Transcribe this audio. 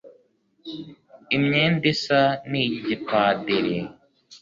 imyenda isa n'iy'igipadiri